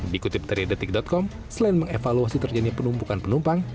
dikutip teriadetik com selain mengevaluasi terjadinya penumpukan penumpang